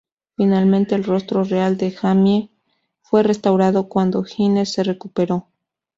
Finalmente, el rostro real de Jamie fue restaurado cuando Hines se recuperó.